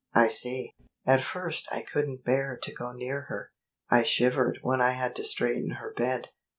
"I see." "At first I couldn't bear to go near her. I shivered when I had to straighten her bed.